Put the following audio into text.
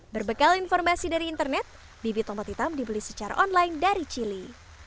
berbekal informasi dari internet bibit tomat hitam dibeli secara online dari chile